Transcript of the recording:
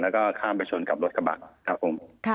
แล้วก็ข้ามไปชนกับรถกระบะครับผม